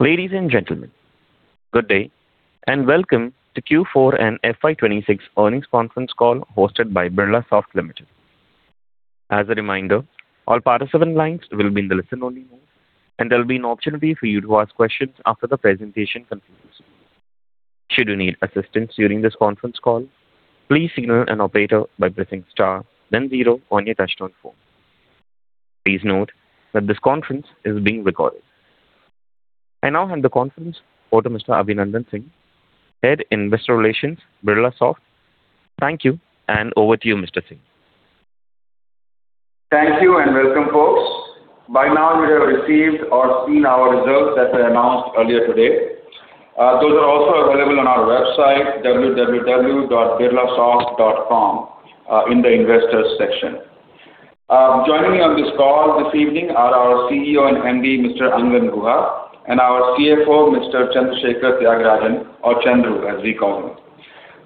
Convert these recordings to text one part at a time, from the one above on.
Ladies and gentlemen, good day, and welcome to Q4 and FY 2026 earnings conference call hosted by Birlasoft Limited. As a reminder, all participant lines will be in the listen only mode, and there will be an opportunity for you to ask questions after the presentation concludes. Should you need assistance during this conference call, please signal an operator by pressing star then 0 on your touchtone phone. Please note that this conference is being recorded. I now hand the conference over to Mr. Abhinandan Singh, Head Investor Relations, Birlasoft. Thank you, and over to you, Mr. Singh. Thank you and welcome, folks. By now you would have received or seen our results that were announced earlier today. Those are also available on our website www.birlasoft.com, in the investors section. Joining me on this call this evening are our CEO and MD, Mr. Angan Guha, and our CFO, Mr. Chandrasekar Thyagarajan, or Chandru as we call him.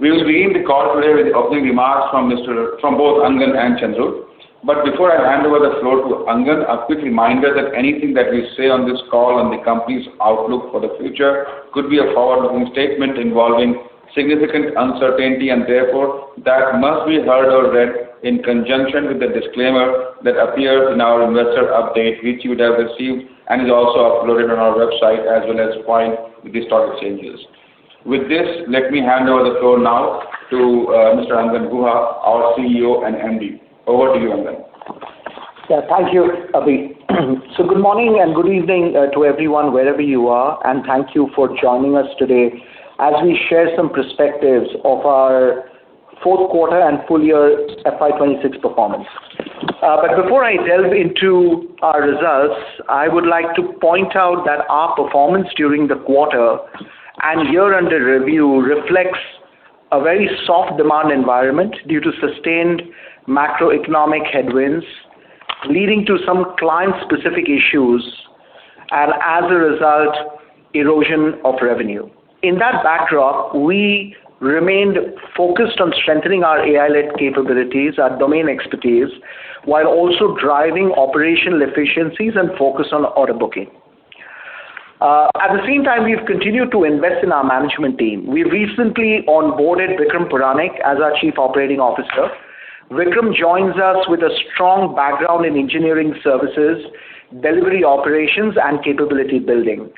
We will begin the call today with opening remarks from both Angan and Chandru. Before I hand over the floor to Angan, a quick reminder that anything that we say on this call on the company's outlook for the future could be a forward-looking statement involving significant uncertainty and therefore that must be heard or read in conjunction with the disclaimer that appears in our investor update which you would have received and is also uploaded on our website as well as filed with the stock exchanges. With this, let me hand over the floor now to Mr. Angan Guha, our CEO and MD. Over to you, Angan. Yeah. Thank you, Abhi. Good morning and good evening to everyone wherever you are, and thank you for joining us today as we share some perspectives of our fourth quarter and full year FY 2026 performance. Before I delve into our results, I would like to point out that our performance during the quarter and year under review reflects a very soft demand environment due to sustained macroeconomic headwinds leading to some client-specific issues and as a result, erosion of revenue. In that backdrop, we remained focused on strengthening our AI-led capabilities, our domain expertise, while also driving operational efficiencies and focus on order booking. At the same time, we've continued to invest in our management team. We recently onboarded Vikram Puranik as our Chief Operating Officer. Vikram joins us with a strong background in engineering services, delivery operations and capability building.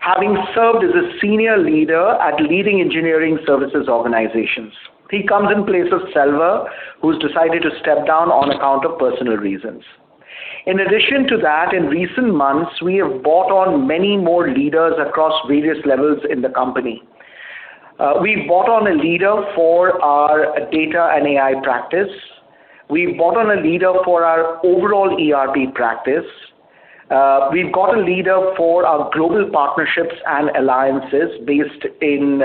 Having served as a senior leader at leading engineering services organizations. He comes in place of Selva, who's decided to step down on account of personal reasons. In addition to that, in recent months, we have brought on many more leaders across various levels in the company. We brought on a leader for our data and AI practice. We brought on a leader for our overall ERP practice. We've got a leader for our global partnerships and alliances based in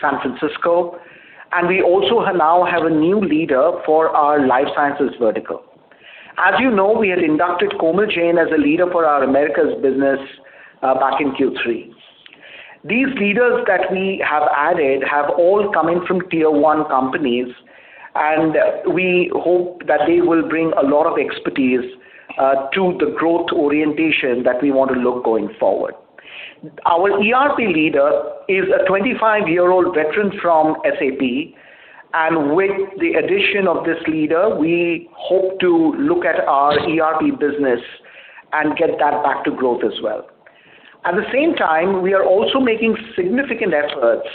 San Francisco, and we also now have a new leader for our life sciences vertical. As you know, we had inducted Komal Jain as a leader for our Americas business back in Q3. These leaders that we have added have all come in from tier-1 companies, we hope that they will bring a lot of expertise to the growth orientation that we want to look going forward. Our ERP leader is a 25-year-old veteran from SAP, with the addition of this leader, we hope to look at our ERP business and get that back to growth as well. At the same time, we are also making significant efforts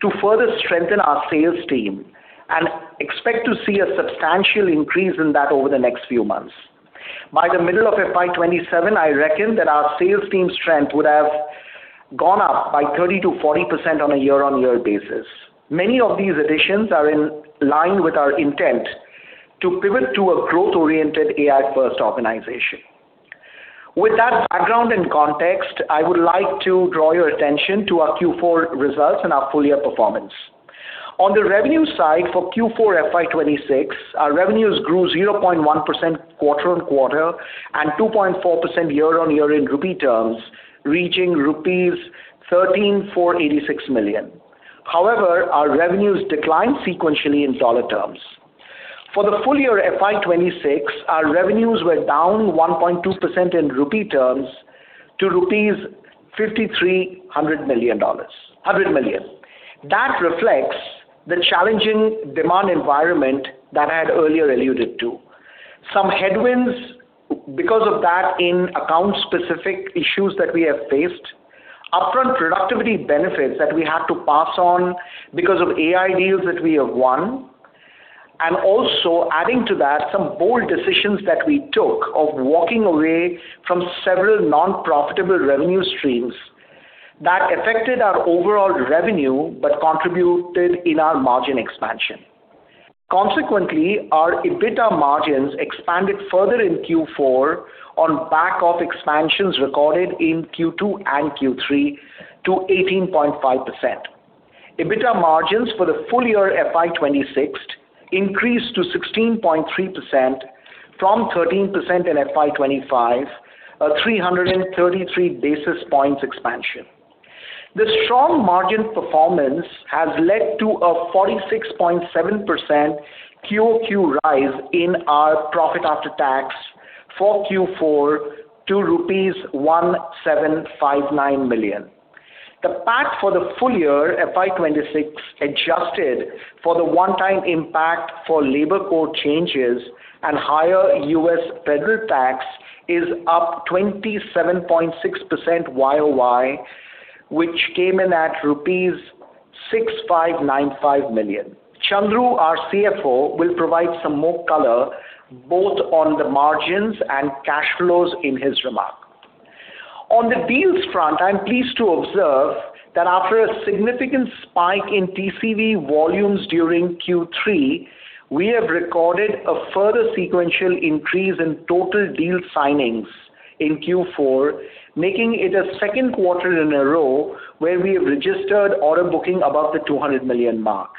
to further strengthen our sales team and expect to see a substantial increase in that over the next few months. By the middle of FY 2027, I reckon that our sales team strength would have gone up by 30%-40% on a year-on-year basis. Many of these additions are in line with our intent to pivot to a growth-oriented AI-first organization. With that background and context, I would like to draw your attention to our Q4 results and our full year performance. On the revenue side for Q4 FY 2026, our revenues grew 0.1% quarter-on-quarter and 2.4% year-on-year in rupee terms, reaching rupees 13,486 million. However, our revenues declined sequentially in dollar terms. For the full year FY 2026, our revenues were down 1.2% in rupee terms to INR 5,300 million. That reflects the challenging demand environment that I had earlier alluded to. Some headwinds because of that in account-specific issues that we have faced, upfront productivity benefits that we had to pass on because of AI deals that we have won. Also adding to that, some bold decisions that we took of walking away from several non-profitable revenue streams that affected our overall revenue but contributed in our margin expansion. Consequently, our EBITDA margins expanded further in Q4 on back of expansions recorded in Q2 and Q3 to 18.5%. EBITDA margins for the full year FY 2026 increased to 16.3% from 13% in FY 2025, a 333 basis points expansion. The strong margin performance has led to a 46.7% QOQ rise in our PAT for Q4 to rupees 1,759 million. The PAT for the full year FY 2026 adjusted for the one-time impact for labor court changes and higher U.S. federal tax is up 27.6% YOY, which came in at rupees 6,595 million. Chandru, our CFO, will provide some more color both on the margins and cash flows in his remarks. On the deals front, I am pleased to observe that after a significant spike in TCV volumes during Q3, we have recorded a further sequential increase in total deal signings in Q4, making it a second quarter in a row where we have registered order booking above the $200 million mark.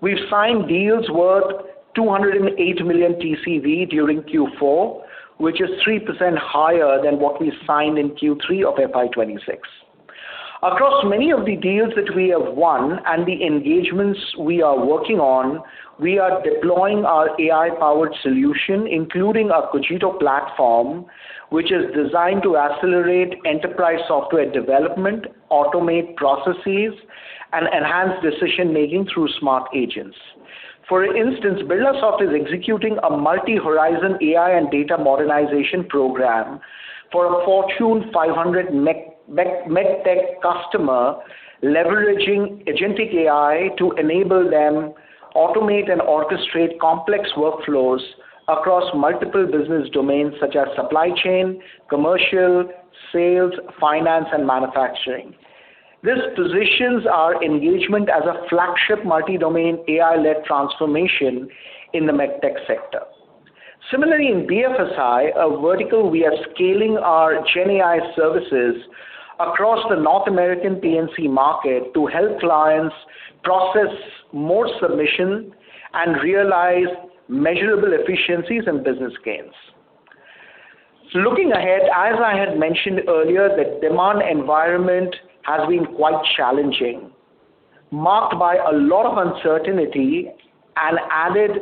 We have signed deals worth $208 million TCV during Q4, which is 3% higher than what we signed in Q3 of FY 2026. Across many of the deals that we have won and the engagements we are working on, we are deploying our AI-powered solution, including our Cogito platform, which is designed to accelerate enterprise software development, automate processes, and enhance decision-making through smart agents. For instance, Birlasoft is executing a multi-horizon AI and data modernization program for a Fortune 500 med tech customer leveraging agentic AI to enable them automate and orchestrate complex workflows across multiple business domains such as supply chain, commercial, sales, finance, and manufacturing. This positions our engagement as a flagship multi-domain AI-led transformation in the med tech sector. Similarly, in BFSI, a vertical we are scaling our GenAI services across the North American P&C market to help clients process more submissions and realize measurable efficiencies and business gains. Looking ahead, as I had mentioned earlier, the demand environment has been quite challenging, marked by a lot of uncertainty and added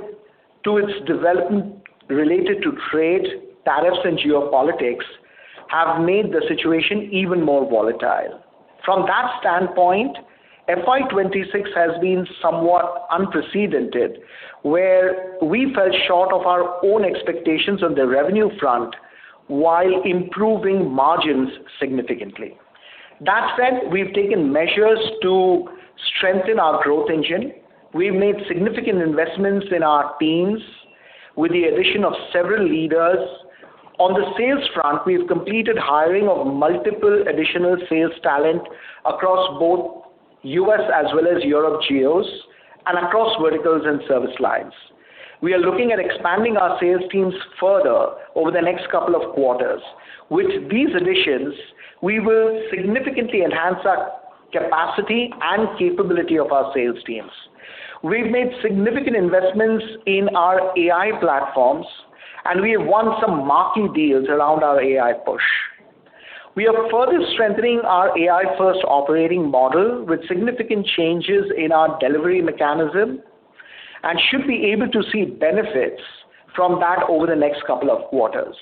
to it, developments related to trade, tariffs, and geopolitics have made the situation even more volatile. From that standpoint, FY 2026 has been somewhat unprecedented, where we fell short of our own expectations on the revenue front while improving margins significantly. That said, we've taken measures to strengthen our growth engine. We've made significant investments in our teams with the addition of several leaders. On the sales front, we've completed hiring of multiple additional sales talent across both U.S. as well as Europe geos and across verticals and service lines. We are looking at expanding our sales teams further over the next couple of quarters. With these additions, we will significantly enhance our capacity and capability of our sales teams. We've made significant investments in our AI platforms, and we have won some marquee deals around our AI push. We are further strengthening our AI-first operating model with significant changes in our delivery mechanism and should be able to see benefits from that over the next couple of quarters.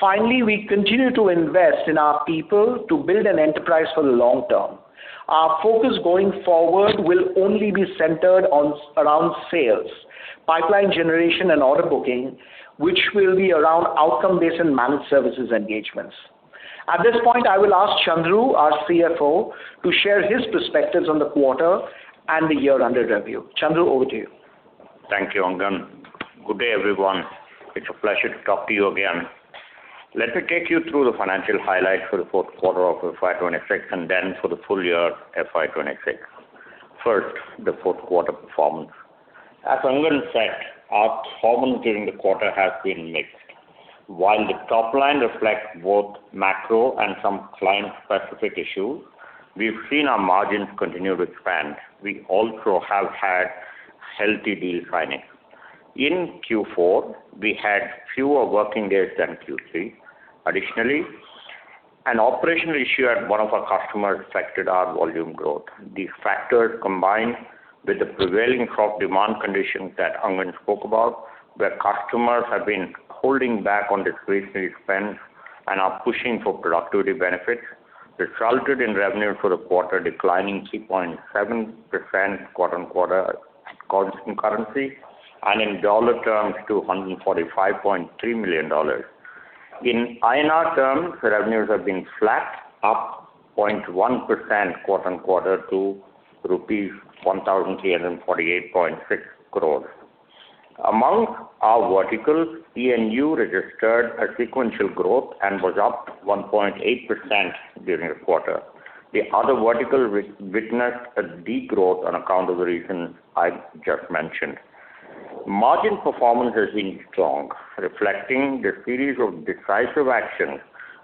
We continue to invest in our people to build an enterprise for the long term. Our focus going forward will only be centered around sales, pipeline generation and order booking, which will be around outcome-based and managed services engagements. At this point, I will ask Chandru, our CFO, to share his perspectives on the quarter and the year under review. Chandru, over to you. Thank you, Angan. Good day, everyone. It's a pleasure to talk to you again. Let me take you through the financial highlights for the fourth quarter of FY 2026 and then for the full year FY 2026. First, the fourth quarter performance. As Angan said, our performance during the quarter has been mixed. While the top line reflects both macro and some client-specific issues, we've seen our margins continue to expand. We also have had healthy deal signings. In Q4, we had fewer working days than Q3. Additionally, an operational issue at one of our customers affected our volume growth. These factors, combined with the prevailing soft demand conditions that Angan spoke about, where customers have been holding back on discretionary spend and are pushing for productivity benefits, resulted in revenue for the quarter declining 3.7% quarter-on-quarter at constant currency and in dollar terms to $145.3 million. In INR terms, revenues have been flat, up 0.1% quarter-on-quarter to rupees 1,348.6 crores. Among our verticals, E&U registered a sequential growth and was up 1.8% during the quarter. The other vertical witnessed a degrowth on account of the reasons I just mentioned. Margin performance has been strong, reflecting the series of decisive actions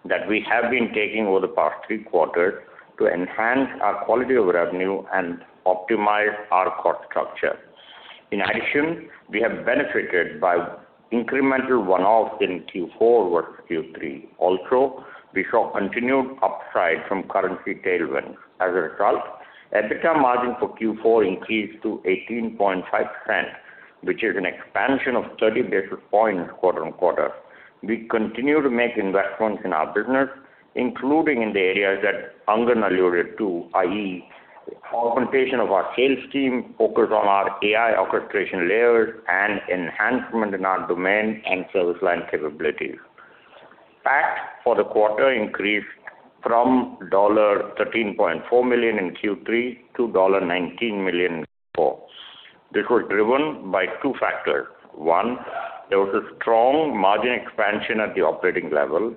that we have been taking over the past three quarters to enhance our quality of revenue and optimize our cost structure. In addition, we have benefited by incremental one-off in Q4 versus Q3. Also, we saw continued upside from currency tailwinds. As a result, EBITDA margin for Q4 increased to 18.5%, which is an expansion of 30 basis points quarter-on-quarter. We continue to make investments in our business, including in the areas that Angan alluded to, i.e., augmentation of our sales team, focus on our AI orchestration layers, and enhancement in our domain and service line capabilities. PAT for the quarter increased from $13.4 million in Q3 to $19 million in Q4. This was driven by two factors. One, there was a strong margin expansion at the operating level.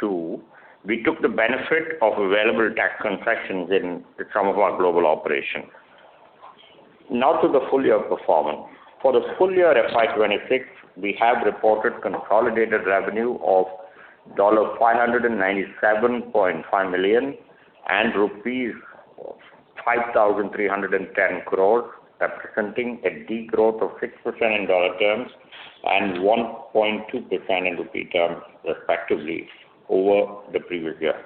Two, we took the benefit of available tax concessions in some of our global operations. Now to the full year performance. For the full year FY 2026, we have reported consolidated revenue of $597.5 million and rupees 5,310 crores, representing a degrowth of 6% in dollar terms and 1.2% in rupee terms, respectively, over the previous year.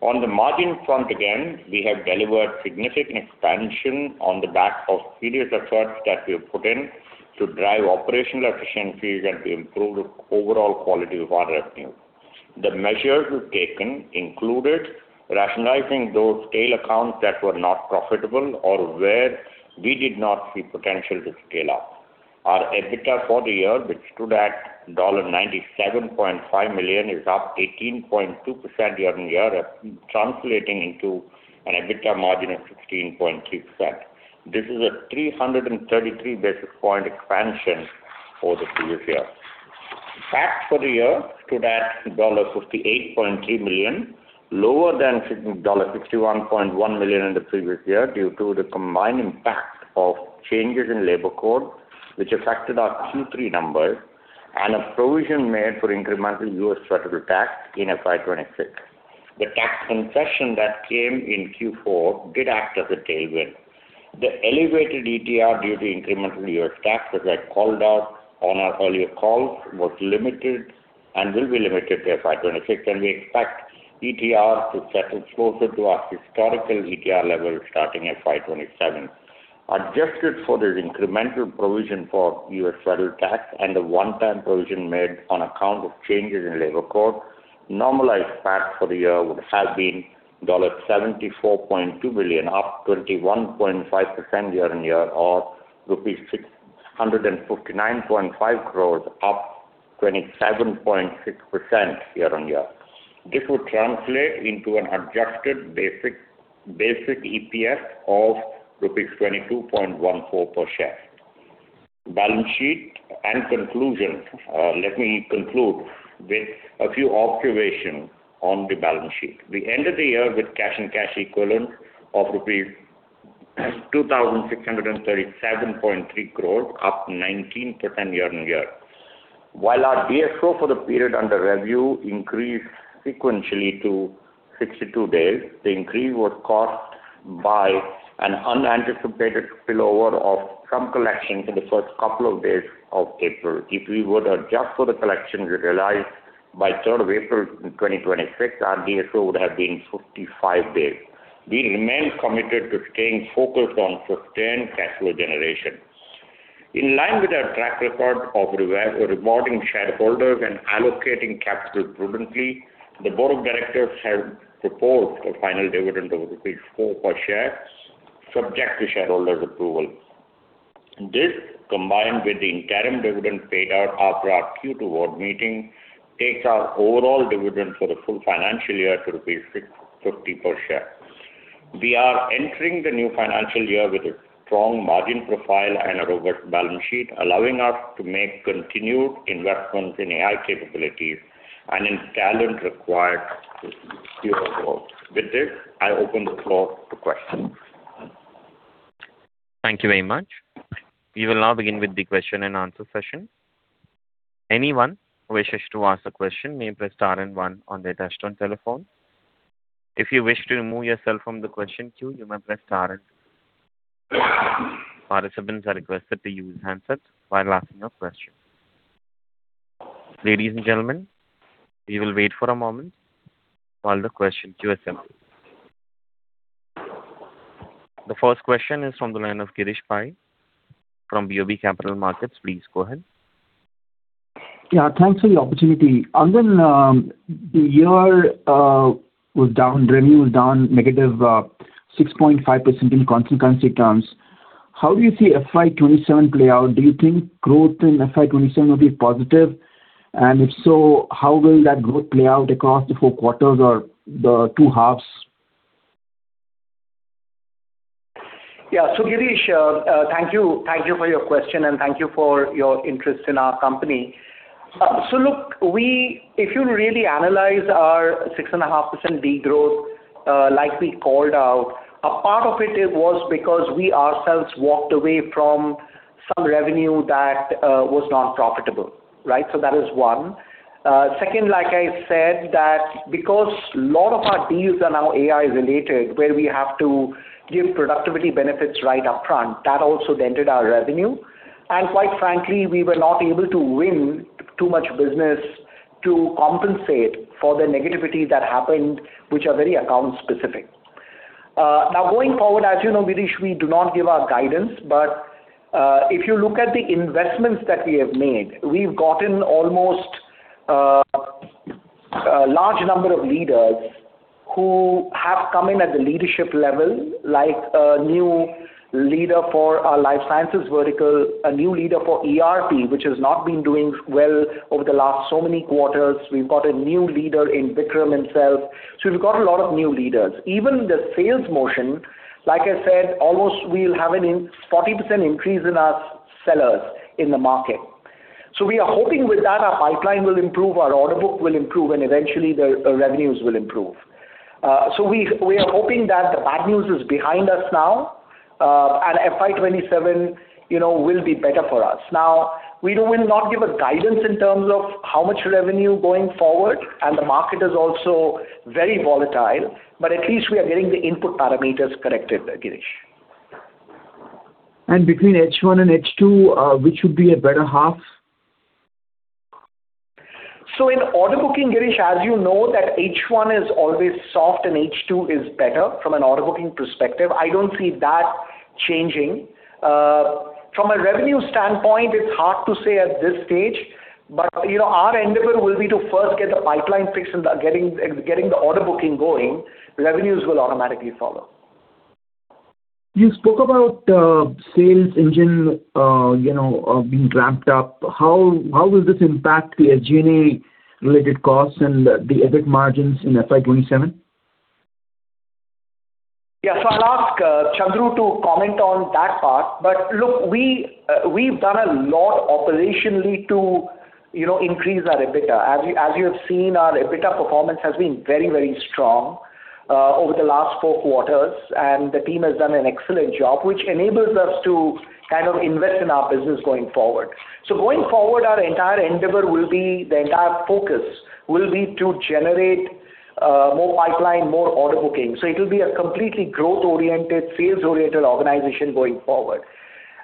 On the margin front again, we have delivered significant expansion on the back of previous efforts that we have put in to drive operational efficiencies and to improve the overall quality of our revenue. The measures we've taken included rationalizing those tail accounts that were not profitable or where we did not see potential to scale up. Our EBITDA for the year, which stood at $97.5 million, is up 18.2% year-on-year, translating into an EBITDA margin of 16.3%. This is a 333 basis point expansion over the previous year. PAT for the year stood at $58.3 million, lower than $61.1 million in the previous year due to the combined impact of changes in labor code, which affected our Q3 numbers and a provision made for incremental U.S. federal tax in FY 2026. The tax concession that came in Q4 did act as a tailwind. The elevated ETR due to incremental U.S. tax that I called out on our earlier calls was limited and will be limited to FY 2026, and we expect ETR to settle closer to our historical ETR level starting FY 2027. Adjusted for this incremental provision for U.S. federal tax and a one-time provision made on account of changes in labor code, normalized PAT for the year would have been $74.2 billion, up 21.5% year on year, or rupees 659.5 crores, up 27.6% year on year. This would translate into an adjusted basic EPS of rupees 22.14 per share. Balance sheet and conclusion. Let me conclude with a few observations on the balance sheet. We ended the year with cash and cash equivalents of rupees 2,637.3 crores, up 19% year on year. While our DSO for the period under review increased sequentially to 62 days, the increase was caused by an unanticipated spillover of some collections in the first couple of days of April. If we were to adjust for the collections realized by 3rd of April in 2026, our DSO would have been 55 days. We remain committed to staying focused on sustained cash flow generation. In line with our track record of rewarding shareholders and allocating capital prudently, the board of directors have proposed a final dividend of 4 per share, subject to shareholders' approval. This, combined with the interim dividend paid out after our Q2 board meeting, takes our overall dividend for the full financial year to 6.50 per share. We are entering the new financial year with a strong margin profile and a robust balance sheet, allowing us to make continued investments in AI capabilities and in talent required to steer our growth. With this, I open the floor to questions. Thank you very much. We will now begin with the question and answer session. The first question is from the line of Girish Pai from BOB Capital Markets. Please go ahead. Thanks for the opportunity. Angan, revenue was down negative 6.5% in constant currency terms. How do you see FY 2027 play out? Do you think growth in FY 2027 will be positive? If so, how will that growth play out across the four quarters or the two halves? Yeah. Girish, thank you. Thank you for your question, and thank you for your interest in our company. If you really analyze our six and a half % degrowth, like we called out, a part of it was because we ourselves walked away from some revenue that was non-profitable, right? That is one. Second, like I said, that because a lot of our deals are now AI related, where we have to give productivity benefits right up front, that also dented our revenue. Quite frankly, we were not able to win too much business to compensate for the negativity that happened, which are very account specific. Now going forward, as you know, Girish, we do not give our guidance. If you look at the investments that we have made, we've gotten almost a large number of leaders who have come in at the leadership level, like a new leader for our life sciences vertical, a new leader for ERP, which has not been doing well over the last so many quarters. We've got a new leader in Vikram himself. We've got a lot of new leaders. Even the sales motion, like I said, almost we'll have a 40% increase in our sellers in the market. We are hoping with that our pipeline will improve, our order book will improve, and eventually the revenues will improve. We are hoping that the bad news is behind us now, and FY 2027, you know, will be better for us. We will not give a guidance in terms of how much revenue going forward, and the market is also very volatile, but at least we are getting the input parameters corrected, Girish. and H2, which would be a better half? In order booking, Girish, as you know that H1 is always soft and H2 is better from an order booking perspective. I don't see that changing. From a revenue standpoint, it's hard to say at this stage, but, you know, our endeavor will be to first get the pipeline fixed and getting the order booking going. Revenues will automatically follow. You spoke about sales engine, you know, being ramped up. How will this impact the G&A related costs and the EBIT margins in FY 2027? I'll ask Chandru to comment on that part. Look, we've done a lot operationally to, you know, increase our EBITDA. As you have seen, our EBITDA performance has been very, very strong over the last four quarters, and the team has done an excellent job, which enables us to kind of invest in our business going forward. Going forward, our entire endeavor will be, the entire focus will be to generate more pipeline, more order booking. It'll be a completely growth-oriented, sales-oriented organization going forward.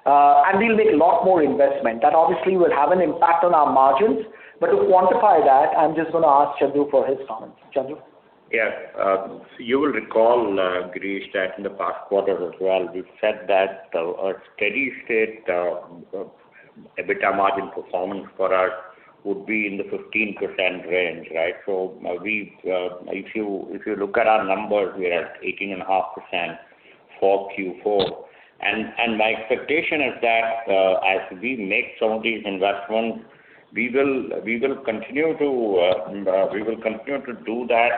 We'll make a lot more investment. That obviously will have an impact on our margins. To quantify that, I'm just gonna ask Chandru for his comments. Chandru. Yes. You will recall, Girish, that in the past quarters as well, we said that a steady state EBITDA margin performance for us would be in the 15% range, right? Now we, if you look at our numbers, we are at 18.5% for Q4. My expectation is that as we make some of these investments, we will continue to do that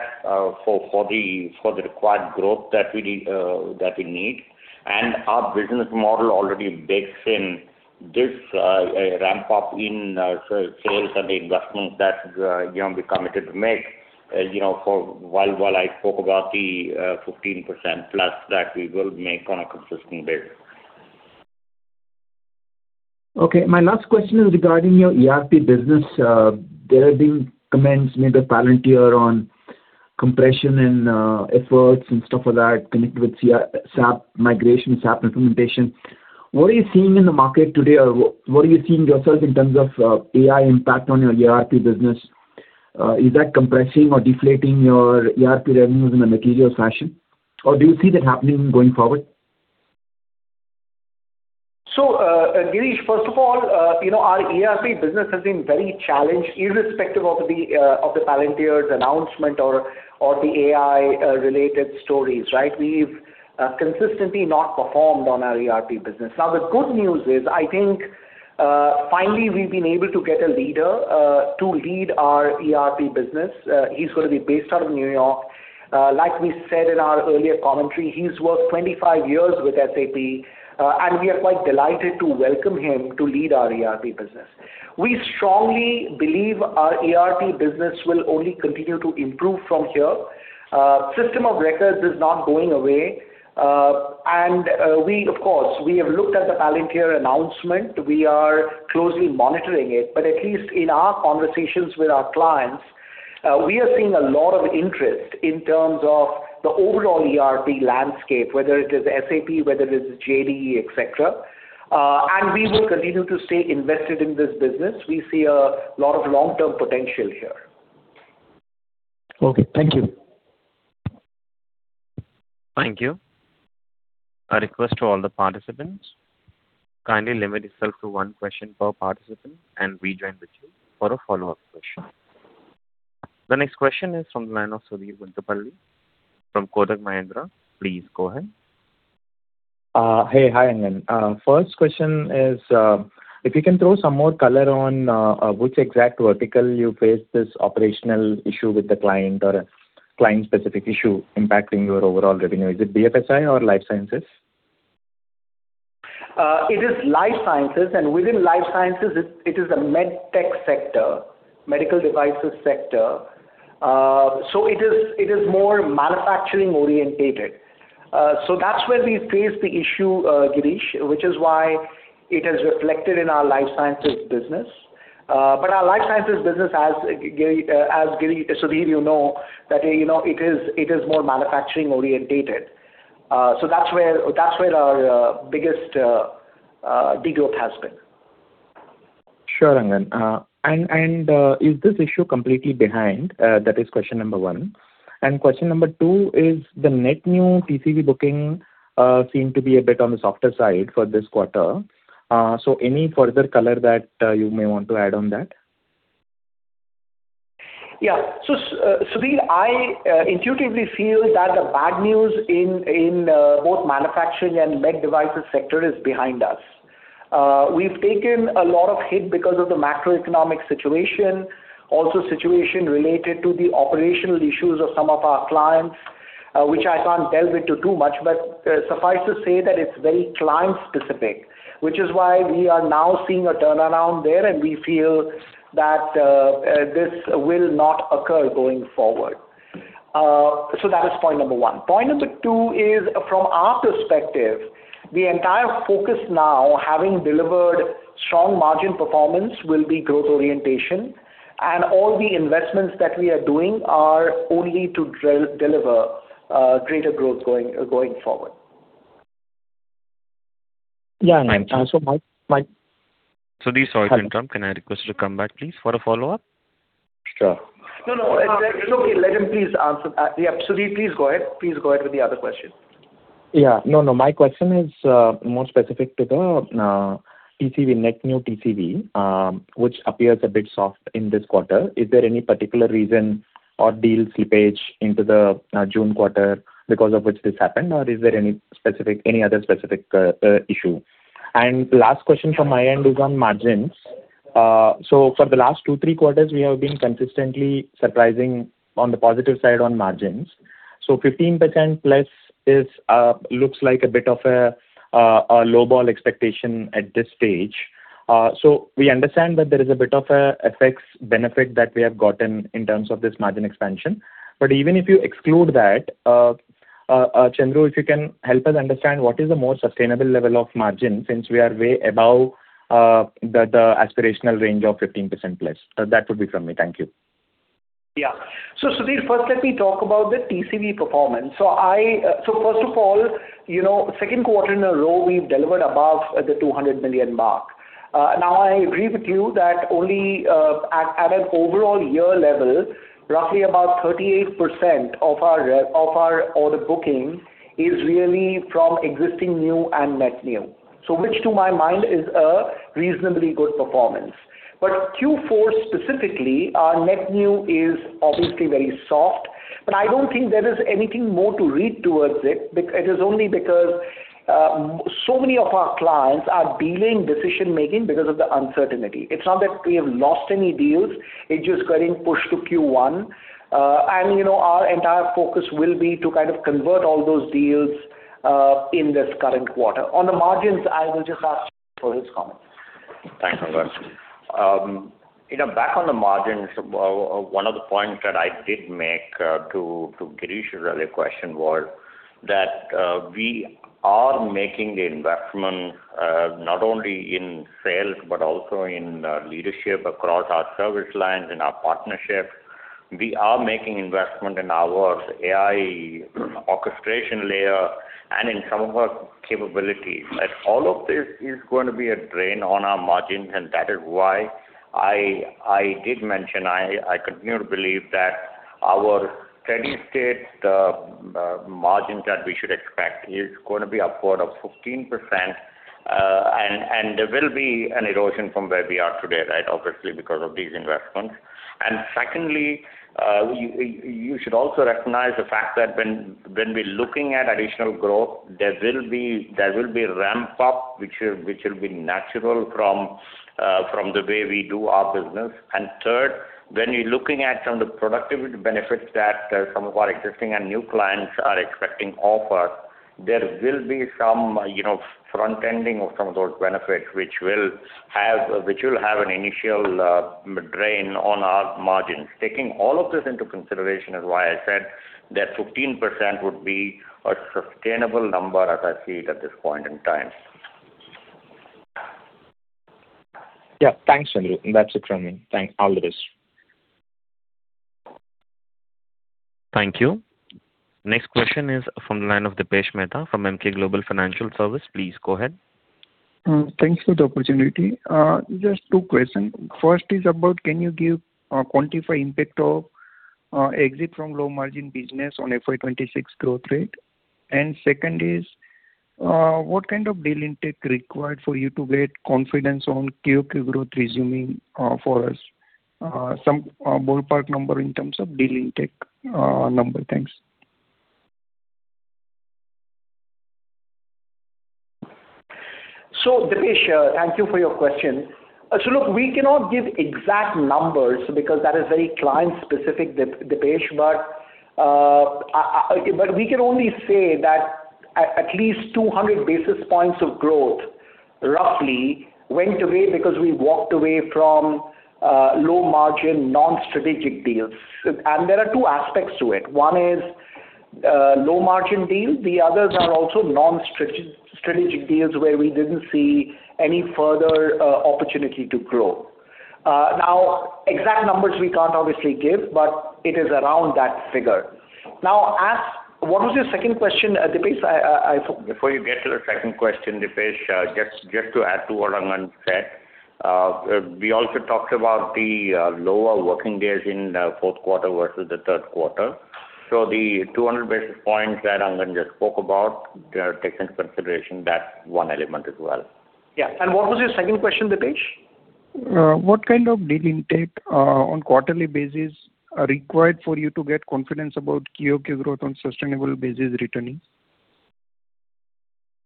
for the required growth that we need. Our business model already bakes in this ramp up in sales and the investments that, you know, we committed to make, you know, for while I spoke about the 15%+ that we will make on a consistent basis. My last question is regarding your ERP business. There have been comments made by Palantir on compression and efforts and stuff like that connected with SAP migration, SAP implementation. What are you seeing in the market today or what are you seeing yourself in terms of AI impact on your ERP business? Is that compressing or deflating your ERP revenues in a material fashion? Do you see that happening going forward? Girish, first of all, you know, our ERP business has been very challenged irrespective of the Palantir announcement or the AI related stories, right? We've consistently not performed on our ERP business. The good news is, I think, finally, we've been able to get a leader to lead our ERP business. He's gonna be based out of New York. Like we said in our earlier commentary, he's worked 25 years with SAP, and we are quite delighted to welcome him to lead our ERP business. We strongly believe our ERP business will only continue to improve from here. System of records is not going away. We of course, we have looked at the Palantir announcement. We are closely monitoring it. At least in our conversations with our clients, we are seeing a lot of interest in terms of the overall ERP landscape, whether it is SAP, whether it is JDE, etcetera. We will continue to stay invested in this business. We see a lot of long-term potential here. Okay. Thank you. Thank you. A request to all the participants. Kindly limit yourself to one question per participant and rejoin the queue for a follow-up question. The next question is from the line of Sudheer Guntupalli from Kotak Mahindra. Please go ahead. Hi, Angan. First question is, if you can throw some more color on which exact vertical you face this operational issue with the client or a client-specific issue impacting your overall revenue. Is it BFSI or life sciences? It is life sciences, and within life sciences, it is the med tech sector, medical devices sector. It is, it is more manufacturing-oriented. That's where we face the issue, Girish, which is why it is reflected in our life sciences business. Our life sciences business, as Sudheer, you know, that, you know, it is, it is more manufacturing-oriented. That's where, that's where our biggest de-growth has been. Sure, Angan. Is this issue completely behind? That is question number one. Question number two is, the net new TCV booking seem to be a bit on the softer side for this quarter. Any further color that you may want to add on that? Yeah. Sudheer, I intuitively feel that the bad news in both manufacturing and med devices sector is behind us. We've taken a lot of hit because of the macroeconomic situation. Also situation related to the operational issues of some of our clients, which I can't delve into too much. Suffice to say that it's very client-specific, which is why we are now seeing a turnaround there, and we feel that this will not occur going forward. That is point number one. Point number two is, from our perspective, the entire focus now, having delivered strong margin performance, will be growth orientation. All the investments that we are doing are only to deliver greater growth going forward. Yeah. Also. Sudheer, sorry to interrupt. Can I request you to come back please for a follow-up? Sure. No, no. It's okay. Let him please answer. Yeah, Sudheer, please go ahead. Please go ahead with the other question. Yeah. No, no. My question is more specific to the TCV, net new TCV, which appears a bit soft in this quarter. Is there any particular reason or deal slippage into the June quarter because of which this happened? Or is there any other specific issue? Last question from my end is on margins. For the last two, three quarters we have been consistently surprising on the positive side on margins. 15%+ is looks like a bit of a low ball expectation at this stage. We understand that there is a bit of a Forex benefit that we have gotten in terms of this margin expansion. Even if you exclude that, Chandru, if you can help us understand what is the more sustainable level of margin since we are way above the aspirational range of 15%+. That would be from me. Thank you. Yeah. Sudheer, first let me talk about the TCV performance. I, first of all, you know, second quarter in a row we've delivered above the 200 million mark. Now I agree with you that only, at an overall year level, roughly about 38% of our, of our order booking is really from existing new and net new. Which to my mind is a reasonably good performance. Q4 specifically, our net new is obviously very soft. I don't think there is anything more to read towards it. It is only because, so many of our clients are delaying decision-making because of the uncertainty. It's not that we have lost any deals. It's just getting pushed to Q1. You know, our entire focus will be to kind of convert all those deals in this current quarter. On the margins, I will just ask Chandru for his comments. Thanks, Angan. You know, back on the margins, one of the points that I did make to Girish's earlier question was that we are making the investment not only in sales but also in leadership across our service lines and our partnerships. We are making investment in our AI orchestration layer and in some of our capabilities. All of this is going to be a drain on our margins, and that is why I did mention I continue to believe that our steady-state margins that we should expect is gonna be upward of 15%. There will be an erosion from where we are today, right? Obviously, because of these investments. Secondly, you should also recognize the fact that when we're looking at additional growth, there will be ramp up, which will be natural from the way we do our business. Third, when you're looking at some of the productivity benefits that some of our existing and new clients are expecting of us, there will be some, you know, front-ending of some of those benefits, which will have an initial drain on our margins. Taking all of this into consideration is why I said that 15% would be a sustainable number as I see it at this point in time. Yeah. Thanks, Chandru. That's it from me. Thanks. All the best. Thank you. Next question is from the line of Dipesh Mehta from Emkay Global Financial Services. Please go ahead. Thanks for the opportunity. Just two question. First is about can you give or quantify impact of exit from low-margin business on FY 2026 growth rate? Second is, what kind of deal intake required for you to get confidence on QOQ growth resuming for us? Some ballpark number in terms of deal intake number. Thanks. Dipesh, thank you for your question. Look, we cannot give exact numbers because that is very client specific, Dipesh. We can only say that at least 200 basis points of growth roughly went away because we walked away from low margin non-strategic deals. There are two aspects to it. One is low margin deals. The others are also non-strategic deals, where we didn't see any further opportunity to grow. Now exact numbers we can't obviously give, but it is around that figure. What was your second question, Dipesh? Before you get to the second question, Dipesh, just to add to what Angan said. We also talked about the lower working days in the fourth quarter versus the third quarter. The 200 basis points that Angan just spoke about, they are taking into consideration that one element as well. Yeah. What was your second question, Dipesh? What kind of deal intake on quarterly basis are required for you to get confidence about QOQ growth on sustainable basis returning?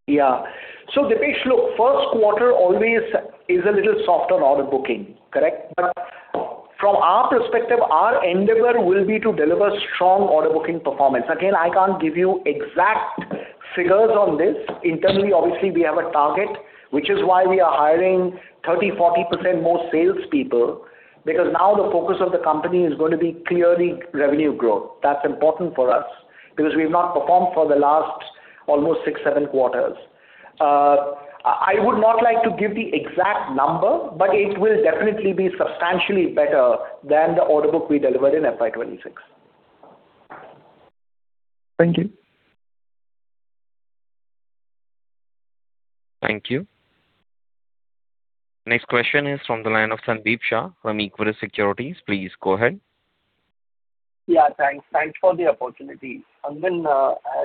Dipesh, look, first quarter always is a little soft on order booking, correct? From our perspective, our endeavor will be to deliver strong order booking performance. Again, I can't give you exact figures on this. Internally, obviously, we have a target, which is why we are hiring 30%, 40% more salespeople. Now the focus of the company is gonna be clearly revenue growth. That's important for us because we've not performed for the last almost six, seven quarters. I would not like to give the exact number, but it will definitely be substantially better than the order book we delivered in FY 2026. Thank you. Thank you. Next question is from the line of Sandeep Shah from Equirus Securities. Please go ahead. Yeah, thanks. Thanks for the opportunity. Angan,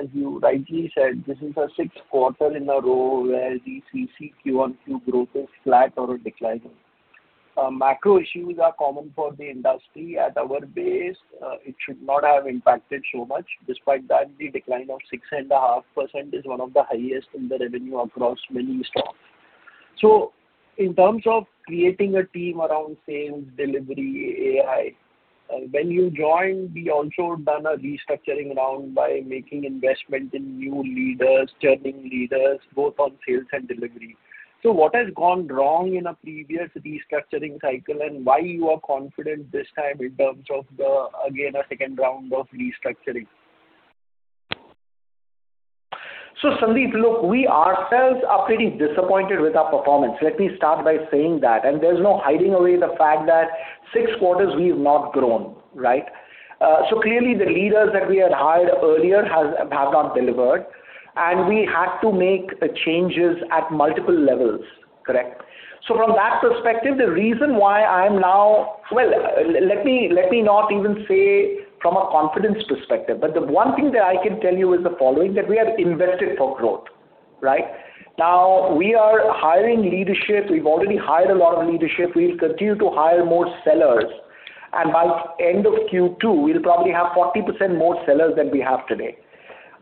as you rightly said, this is the sixth quarter in a row where the CC QOQ growth is flat or declining. Macro issues are common for the industry. At our base, it should not have impacted so much. Despite that, the decline of 6.5% is one of the highest in the revenue across many stocks. In terms of creating a team around sales, delivery, AI, when you joined, we also done a restructuring round by making investment in new leaders, churning leaders, both on sales and delivery. What has gone wrong in a previous restructuring cycle, and why you are confident this time in terms of the, again, a second round of restructuring? Sandeep, look, we ourselves are pretty disappointed with our performance. Let me start by saying that. There's no hiding away the fact that six quarters we've not grown, right? Clearly the leaders that we had hired earlier have not delivered, and we had to make changes at multiple levels. Correct? From that perspective, the reason why I'm now Let me not even say from a confidence perspective, but the one thing that I can tell you is the following, that we have invested for growth, right? We are hiring leadership. We've already hired a lot of leadership. We'll continue to hire more sellers. By end of Q2, we'll probably have 40% more sellers than we have today.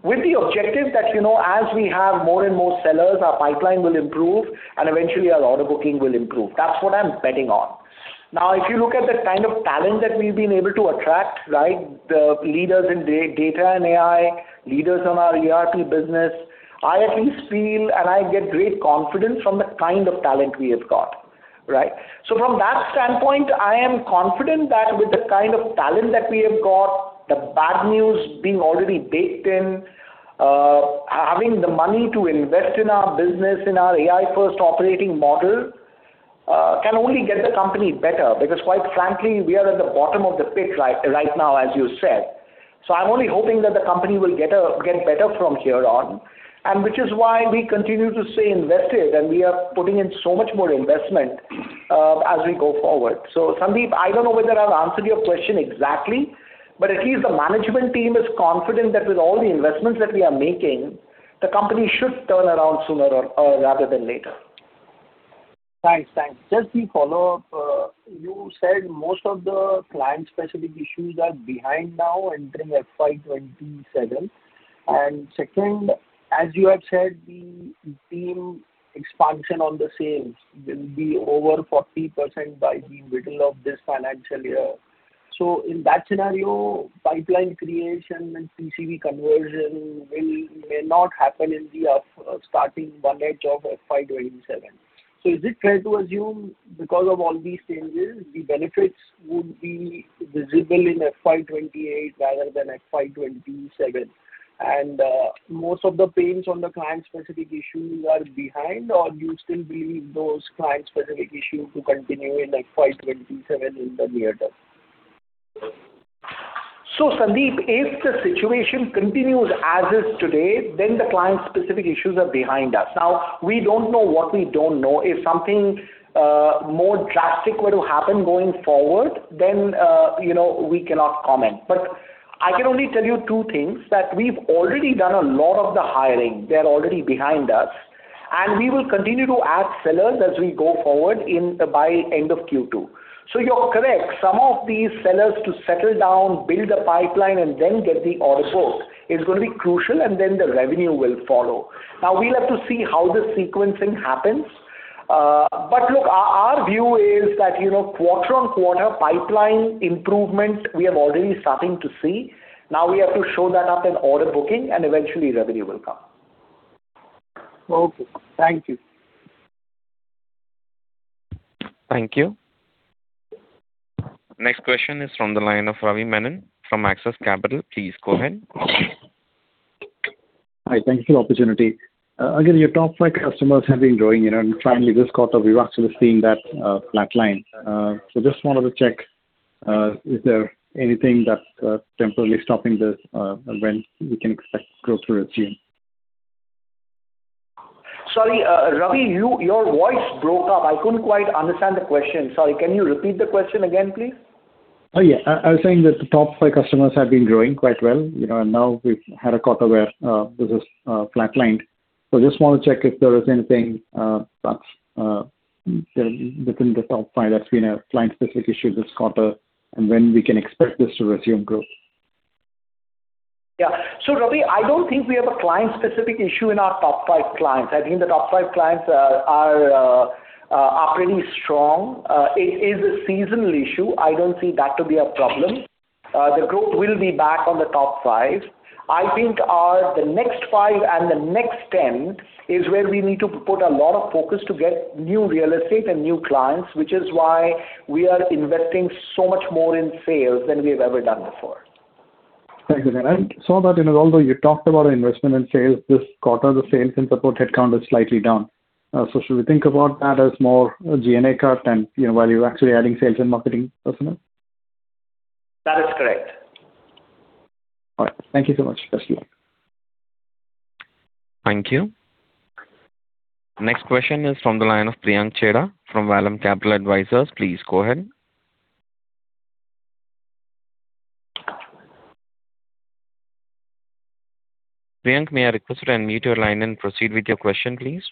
With the objective that, you know, as we have more and more sellers, our pipeline will improve and eventually our order booking will improve. That's what I'm betting on. Now, if you look at the kind of talent that we've been able to attract, right, the leaders in data and AI, leaders on our ERP business, I at least feel and I get great confidence from the kind of talent we have got, right? So from that standpoint, I am confident that with the kind of talent that we have got, the bad news being already baked in, having the money to invest in our business, in our AI-first operating model, can only get the company better. Because quite frankly, we are at the bottom of the pit right now, as you said. I'm only hoping that the company will get better from here on, and which is why we continue to stay invested, and we are putting in so much more investment as we go forward. Sandeep, I don't know whether I've answered your question exactly, but at least the management team is confident that with all the investments that we are making, the company should turn around sooner or rather than later. Thanks. Thanks. Just a follow-up. You said most of the client-specific issues are behind now entering FY 2027. Second, as you have said, the team expansion on the sales will be over 40% by the middle of this financial year. In that scenario, pipeline creation and TCV conversion may not happen in the starting one year of FY 2027. Is it fair to assume because of all these changes, the benefits would be visible in FY 2028 rather than FY 2027? Most of the pains on the client-specific issues are behind, or you still believe those client-specific issues to continue in FY 2027 in the near term? Sandeep, if the situation continues as is today, then the client-specific issues are behind us. We don't know what we don't know. If something more drastic were to happen going forward, you know, we cannot comment. I can only tell you two things, that we've already done a lot of the hiring. They're already behind us. We will continue to add sellers as we go forward by end of Q2. You're correct. Some of these sellers to settle down, build a pipeline, and then get the order booked is gonna be crucial, and then the revenue will follow. We'll have to see how the sequencing happens. Look, our view is that, you know, quarter-on-quarter pipeline improvement we are already starting to see. Now we have to show that up in order booking and eventually revenue will come. Okay. Thank you. Thank you. Next question is from the line of Ravi Menon from Axis Capital. Please go ahead. Hi, thank you for the opportunity. Again, your top five customers have been growing, you know, and finally this quarter we're actually seeing that flatline. Just wanted to check, is there anything that's temporarily stopping this, when we can expect growth to resume? Sorry, Ravi, your voice broke up. I couldn't quite understand the question. Sorry, can you repeat the question again, please? Oh, yeah. I was saying that the top five customers have been growing quite well, you know, and now we've had a quarter where business flatlined. Just wanna check if there is anything that's within the top five that's been a client-specific issue this quarter and when we can expect this to resume growth. Yeah. Ravi, I don't think we have a client-specific issue in our top five clients. I think the top five clients are pretty strong. It is a seasonal issue. I don't see that to be a problem. The growth will be back on the top five. I think our the next five and the next ten is where we need to put a lot of focus to get new real estate and new clients, which is why we are investing so much more in sales than we've ever done before. Thank you. I saw that, you know, although you talked about investment in sales this quarter, the sales and support headcount is slightly down. Should we think about that as more a G&A cut and, you know, while you're actually adding sales and marketing personnel? That is correct. All right. Thank you so much. Best luck. Thank you. Next question is from the line of Priyank Chheda from Vallum Capital Advisors. Please go ahead. Priyank, may I request you unmute your line and proceed with your question, please.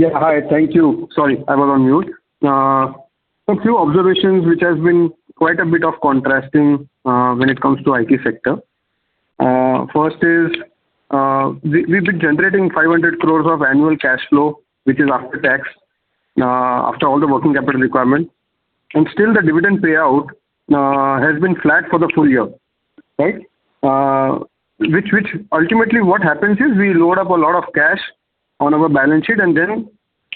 Yeah. Hi. Thank you. Sorry, I was on mute. A few observations which has been quite a bit of contrasting, when it comes to IT sector. First is, we've been generating 500 crores of annual cash flow, which is after tax, after all the working capital requirement, and still the dividend payout has been flat for the full year, right? Which ultimately what happens is we load up a lot of cash on our balance sheet, and then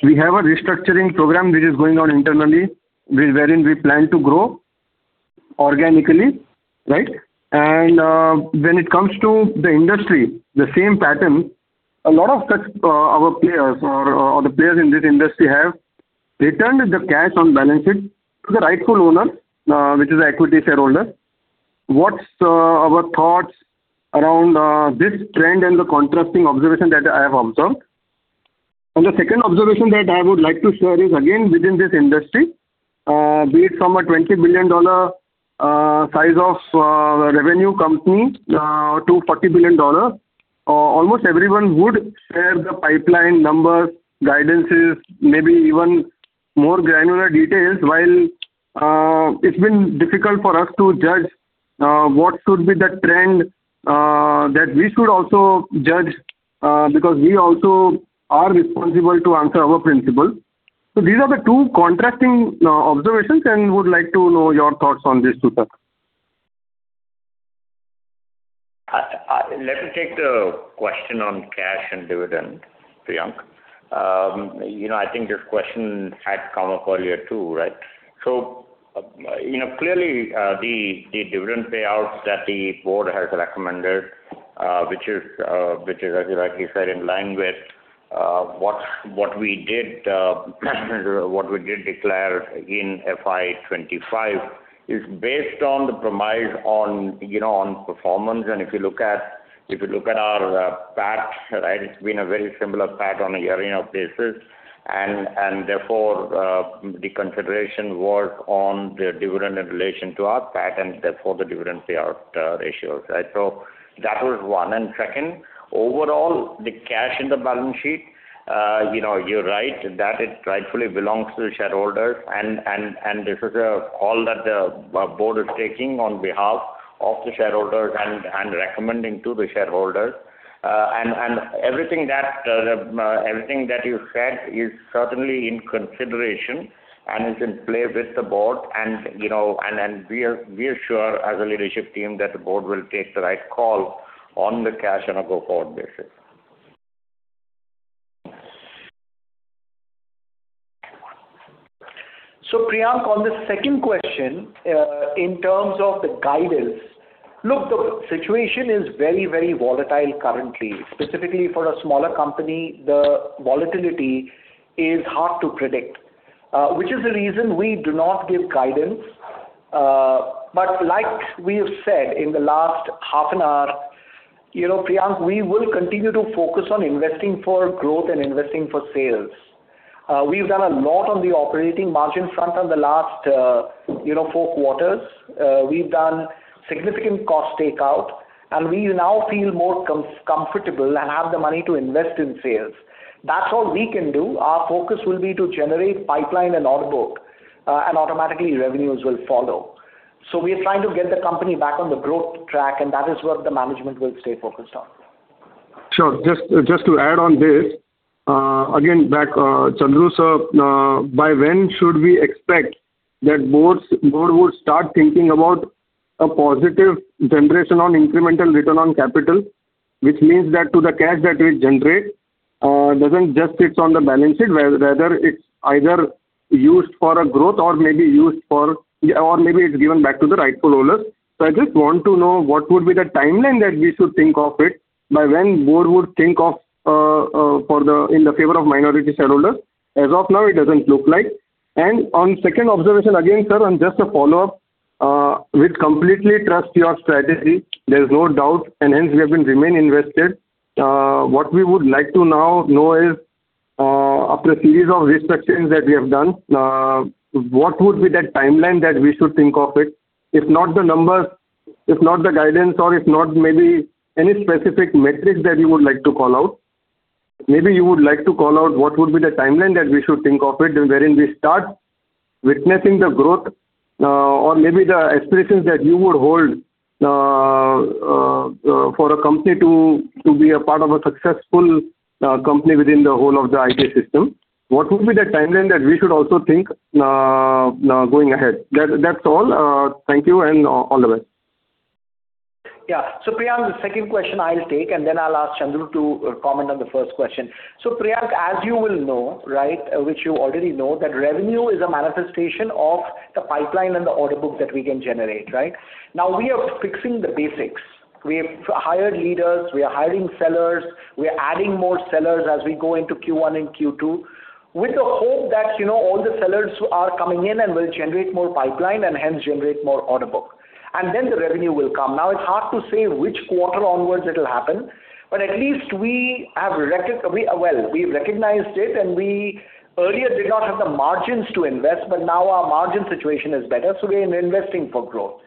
we have a restructuring program which is going on internally, wherein we plan to grow organically, right? When it comes to the industry, the same pattern, a lot of such our players or the players in this industry have returned the cash on balance sheet to the rightful owner, which is the equity shareholder. What's our thoughts around this trend and the contrasting observation that I have observed? The second observation that I would like to share is again within this industry, be it from a $20 billion size of revenue company, to $40 billion, almost everyone would share the pipeline numbers, guidances, maybe even more granular details. While it's been difficult for us to judge what could be the trend that we should also judge, because we also are responsible to answer our principals. These are the two contrasting observations, and would like to know your thoughts on these two, sir. Let me take the question on cash and dividend, Priyank. You know, I think this question had come up earlier too, right? Clearly, the dividend payouts that the board has recommended, which is as Ravi said, in line with what we did declare in FY 2025, is based on the premise on performance. If you look at our PAT, right, it's been a very similar PAT on a year-on-year basis. Therefore, the consideration was on the dividend in relation to our PAT and therefore the dividend payout ratio, right? That was one. Second, overall, the cash in the balance sheet, you know, you're right that it rightfully belongs to the shareholders and this is a call that the board is taking on behalf of the shareholders and recommending to the shareholders. Everything that you said is certainly in consideration and is in play with the board and, you know, we are sure as a leadership team that the board will take the right call on the cash on a go-forward basis. Priyank, on the second question, in terms of the guidance, look, the situation is very, very volatile currently. Specifically for a smaller company, the volatility is hard to predict, which is the reason we do not give guidance. Like we have said in the last half an hour, you know, Priyank, we will continue to focus on investing for growth and investing for sales. We've done a lot on the operating margin front on the last four quarters. We've done significant cost takeout, and we now feel more comfortable and have the money to invest in sales. That's all we can do. Our focus will be to generate pipeline and onboard, automatically revenues will follow. We are trying to get the company back on the growth track, and that is what the management will stay focused on. Sure. Just to add on this, again, back, Chandru sir, by when should we expect that board would start thinking about a positive generation on incremental return on capital? Which means that to the cash that we generate doesn't just sit on the balance sheet, whether it's either used for a growth or maybe it's given back to the rightful owners. I just want to know what would be the timeline that we should think of it, by when board would think of, in the favor of minority shareholders. As of now, it doesn't look like. On second observation, again, sir, on just a follow-up. We completely trust your strategy, there's no doubt, and hence we have been remain invested. What we would like to now know is, after a series of restructurings that we have done, what would be that timeline that we should think of it? If not the numbers, if not the guidance or if not maybe any specific metrics that you would like to call out, maybe you would like to call out what would be the timeline that we should think of it, wherein we start witnessing the growth, or maybe the aspirations that you would hold for a company to be a part of a successful company within the whole of the IT system. What would be the timeline that we should also think going ahead? That, that's all. Thank you and all the best. Yeah. Priyank, the second question I'll take, and then I'll ask Chandru to comment on the first question. Priyank, as you will know, right, which you already know, that revenue is a manifestation of the pipeline and the order book that we can generate, right? Now we are fixing the basics. We have hired leaders, we are hiring sellers, we are adding more sellers as we go into Q1 and Q2 with the hope that, you know, all the sellers who are coming in and will generate more pipeline and hence generate more order book. Then the revenue will come. Now, it's hard to say which quarter onwards it'll happen, but at least Well, we've recognized it and we earlier did not have the margins to invest, but now our margin situation is better, so we are investing for growth.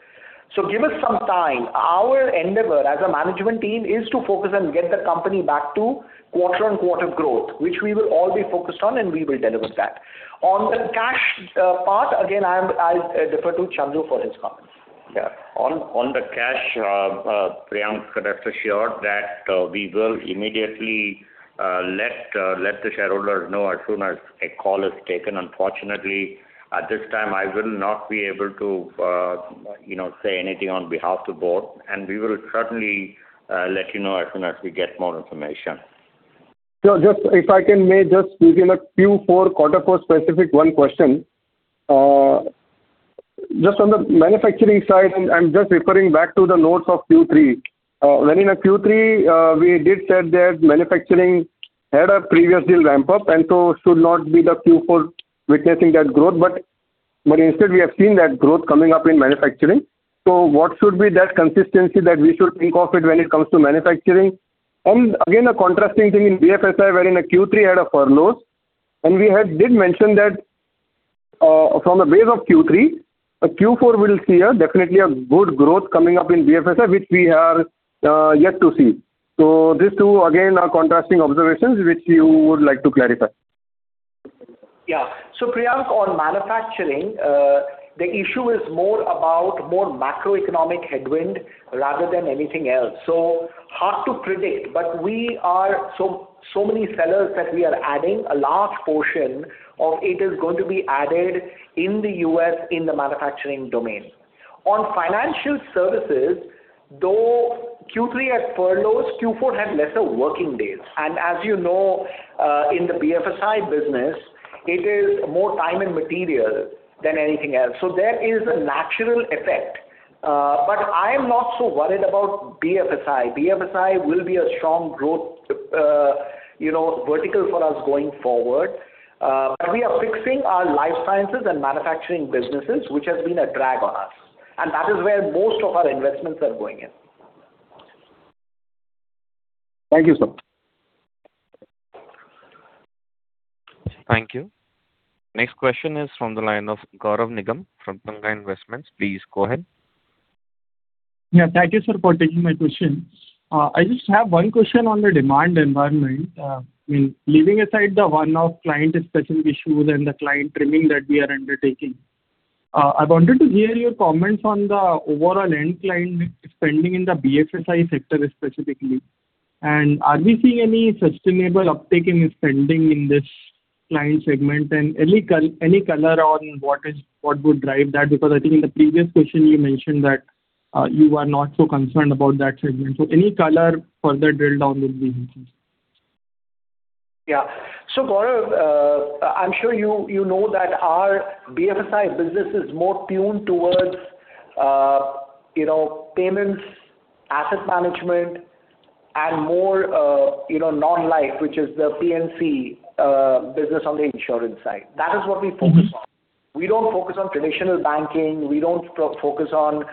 Give us some time. Our endeavor as a management team is to focus and get the company back to quarter-on-quarter growth, which we will all be focused on, and we will deliver that. On the cash part, again, I'll defer to Chandru for his comments. Yeah. On the cash, Priyank, rest assured that we will immediately let the shareholders know as soon as a call is taken. Unfortunately, at this time, I will not be able to, you know, say anything on behalf of board. We will certainly let you know as soon as we get more information. Just if I can may just within the Q4 quarter for specific one question. Just on the manufacturing side, I'm just referring back to the notes of Q3. wherein in Q3, we did said that manufacturing had a previous deal ramp up and so should not be the Q4 witnessing that growth. Instead we have seen that growth coming up in manufacturing. What should be that consistency that we should think of it when it comes to manufacturing? Again, a contrasting thing in BFSI, wherein in Q3 had a furloughs, and we did mention that, from the base of Q3, Q4 will see a definitely a good growth coming up in BFSI which we are yet to see. These two again are contrasting observations which you would like to clarify. Priyank, on manufacturing, the issue is more about more macroeconomic headwind rather than anything else. Hard to predict. We are so many sellers that we are adding a large portion of it is going to be added in the U.S. in the manufacturing domain. On financial services, though Q3 had furloughs, Q4 had lesser working days. As you know, in the BFSI business, it is more time and material than anything else. There is a natural effect. I am not so worried about BFSI. BFSI will be a strong growth, you know, vertical for us going forward. We are fixing our life sciences and manufacturing businesses which has been a drag on us. That is where most of our investments are going in. Thank you, sir. Thank you. Next question is from the line of Gaurav Nigam from Kotak Investments. Please go ahead. Thank you, sir, for taking my question. I just have one question on the demand environment. I mean, leaving aside the one-off client discussion issues and the client trimming that we are undertaking, I wanted to hear your comments on the overall end client spending in the BFSI sector specifically. Are we seeing any sustainable uptick in spending in this client segment? Any color on what would drive that? I think in the previous question you mentioned that you are not so concerned about that segment. Any color further drill down would be useful. Gaurav, I'm sure you know that our BFSI business is more tuned towards, you know, payments, asset management and more, you know, non-life which is the P&C business on the insurance side. That is what we focus on. We don't focus on traditional banking. We don't focus on,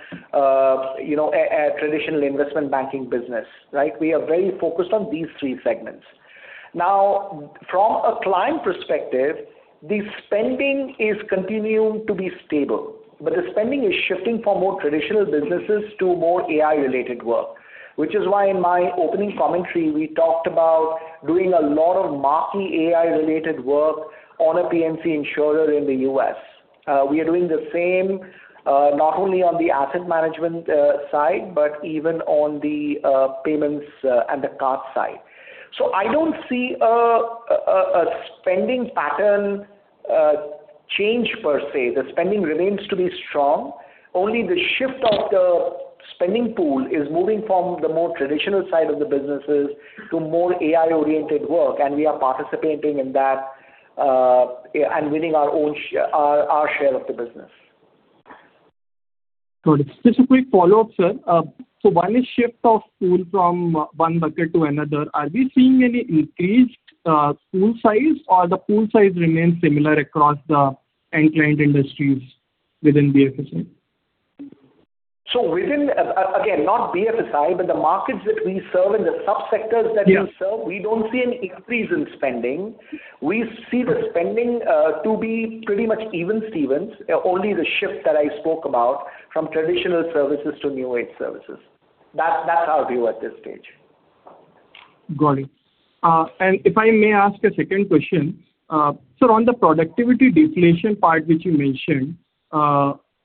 you know, a traditional investment banking business, right? We are very focused on these three segments. Now from a client perspective, the spending is continuing to be stable. The spending is shifting from more traditional businesses to more AI-related work. Which is why in my opening commentary we talked about doing a lot of marquee AI-related work on a P&C insurer in the U.S. We are doing the same, not only on the asset management side but even on the payments and the card side. I don't see a spending pattern change per se. The spending remains to be strong. Only the shift of the Spending pool is moving from the more traditional side of the businesses to more AI-oriented work, and we are participating in that, yeah, and winning our own share of the business. Got it. Just a quick follow-up, sir. While this shift of pool from one bucket to another, are we seeing any increased pool size or the pool size remains similar across the end client industries within BFSI? Within, again, not BFSI, but the markets that we serve and the sub-sectors that we serve. Yeah we don't see an increase in spending. We see the spending to be pretty much even Stevens, only the shift that I spoke about from traditional services to new age services. That's our view at this stage. Got it. If I may ask a second question. On the productivity deflation part which you mentioned,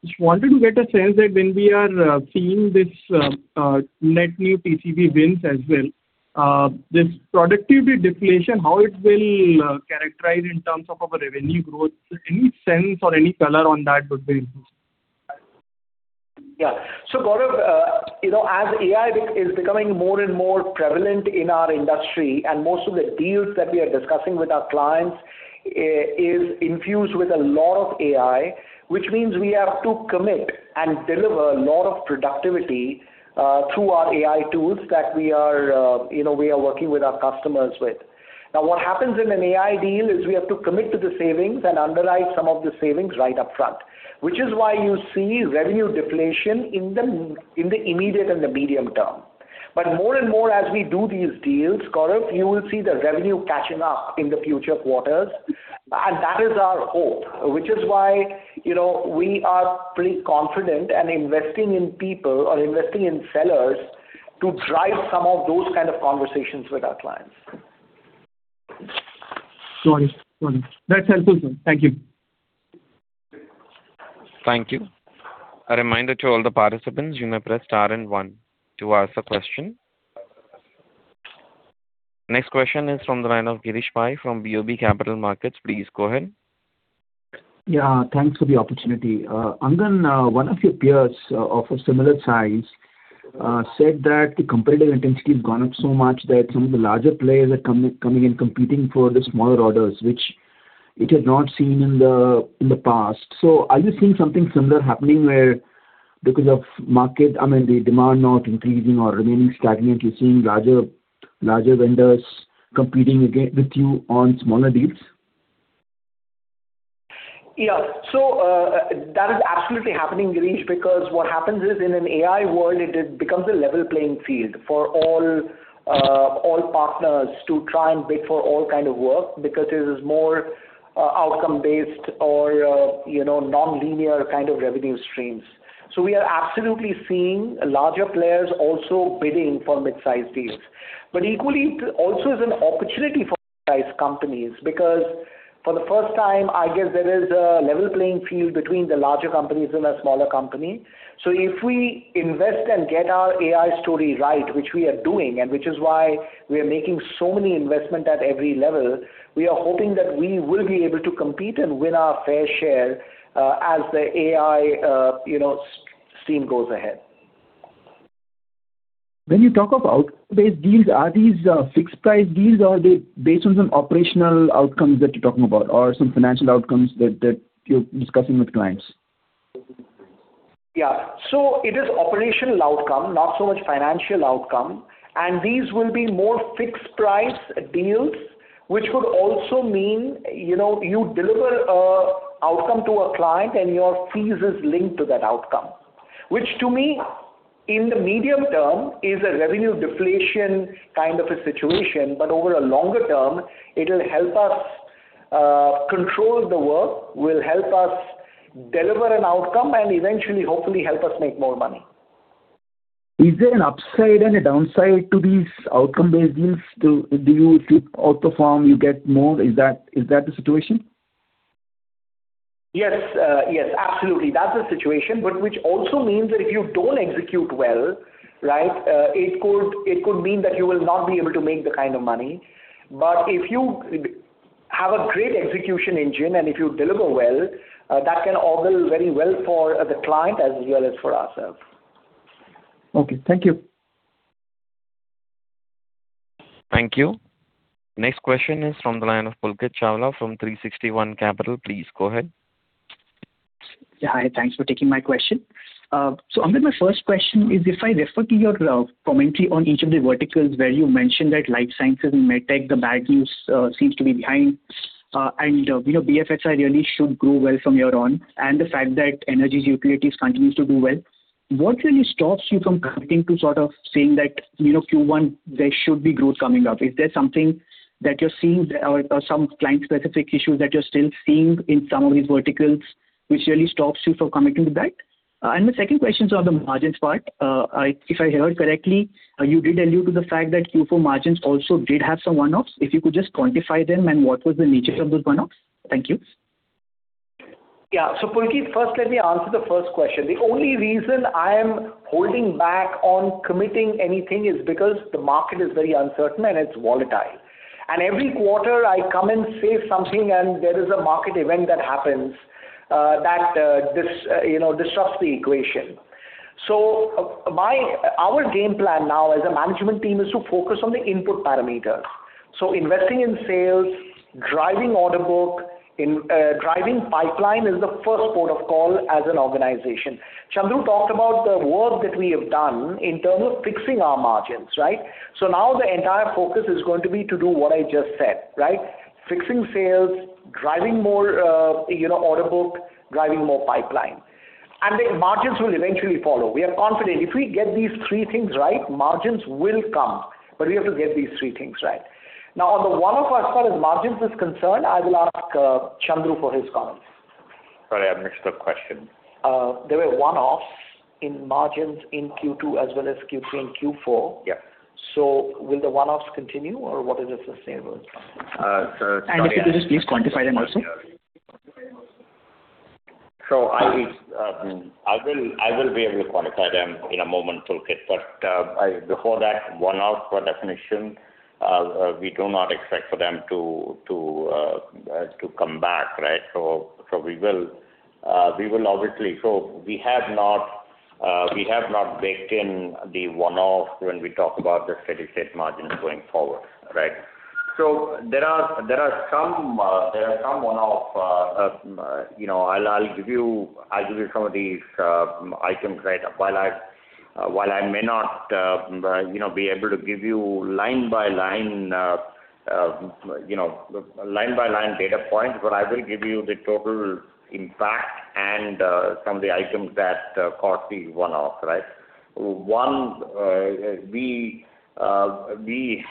just wanted to get a sense that when we are seeing this net new TCV wins as well, this productivity deflation, how it will characterize in terms of a revenue growth. Any sense or any color on that would be useful. Yeah. Gaurav, you know, as AI is becoming more and more prevalent in our industry and most of the deals that we are discussing with our clients is infused with a lot of AI, which means we have to commit and deliver a lot of productivity through our AI tools that we are, you know, we are working with our customers with. What happens in an AI deal is we have to commit to the savings and underwrite some of the savings right up front, which is why you see revenue deflation in the immediate and the medium term. More and more as we do these deals, Gaurav, you will see the revenue catching up in the future quarters. That is our hope. Which is why, you know, we are pretty confident and investing in people or investing in sellers to drive some of those kind of conversations with our clients. Got it. Got it. That's helpful, sir. Thank you. Thank you. A reminder to all the participants, you may press star 1 to ask a question. Next question is from the line of Girish Pai from BOB Capital Markets. Please go ahead. Yeah, thanks for the opportunity. Angan, one of your peers, of a similar size, said that the competitive intensity has gone up so much that some of the larger players are coming and competing for the smaller orders, which it had not seen in the past. Are you seeing something similar happening where because of market, I mean, the demand not increasing or remaining stagnant, you're seeing larger vendors competing with you on smaller deals? Yeah. So, that is absolutely happening, Girish, because what happens is in an AI world it becomes a level playing field for all partners to try and bid for all kind of work because it is more outcome based or, you know, non-linear kind of revenue streams. We are absolutely seeing larger players also bidding for mid-sized deals. Equally it also is an opportunity for mid-sized companies because for the first time, I guess there is a level playing field between the larger companies and a smaller company. If we invest and get our AI story right, which we are doing and which is why we are making so many investment at every level, we are hoping that we will be able to compete and win our fair share, as the AI, you know, scene goes ahead. When you talk about outcome-based deals, are these fixed price deals or are they based on some operational outcomes that you're talking about or some financial outcomes that you're discussing with clients? It is operational outcome, not so much financial outcome. These will be more fixed price deals, which would also mean, you know, you deliver an outcome to a client and your fees is linked to that outcome. Which to me, in the medium term, is a revenue deflation kind of a situation. Over a longer term it'll help us control the work, will help us deliver an outcome and eventually hopefully help us make more money. Is there an upside and a downside to these outcome-based deals? Do you, if you outperform you get more? Is that the situation? Yes. Yes, absolutely. That's the situation. Which also means that if you don't execute well, right, it could mean that you will not be able to make the kind of money. If you have a great execution engine and if you deliver well, that can augur very well for the client as well as for ourselves. Okay. Thank you. Thank you. Next question is from the line of Pulkit Chawla from 360 ONE. Please go ahead. Hi. Thanks for taking my question. Angan Guha, my first question is, if I refer to your commentary on each of the verticals where you mentioned that Life Sciences and MedTech, the bad news seems to be behind, and, you know, BFSI really should grow well from here on, and the fact that Energy and Utilities continues to do well, what really stops you from committing to sort of saying that, you know, Q1 there should be growth coming up? Is there something that you're seeing or some client-specific issues that you're still seeing in some of these verticals which really stops you from committing to that? My second question is on the margins part. If I heard correctly, you did allude to the fact that Q4 margins also did have some one-offs. If you could just quantify them and what was the nature of those one-offs. Thank you. Pulkit, first let me answer the first question. The only reason I am holding back on committing anything is because the market is very uncertain and it's volatile. Every quarter I come and say something, and there is a market event that happens that, you know, disrupts the equation. Our game plan now as a management team is to focus on the input parameter. Investing in sales, driving order book, in driving pipeline is the first port of call as an organization. Chandru talked about the work that we have done in terms of fixing our margins, right? Now the entire focus is going to be to do what I just said, right? Fixing sales, driving more, you know, order book, driving more pipeline. The margins will eventually follow. We are confident. If we get these three things right, margins will come. We have to get these three things right. Now, on the one-off, as far as margins is concerned, I will ask, Chandru for his comments. Sorry, I have next up question. There were one-offs in margins in Q2 as well as Q3 and Q4. Yeah. Will the one-offs continue, or what is the sustainable? Uh, so- If you could just please quantify them also. I will be able to quantify them in a moment, Pulkit. Before that one-off, for definition, we do not expect for them to come back, right? We will obviously. We have not baked in the one-off when we talk about the steady-state margins going forward, right? There are some one-off, you know, I'll give you some of these items, right? While I may not, you know, be able to give you line by line, you know, line by line data points, but I will give you the total impact and some of the items that caused the one-off, right? One, we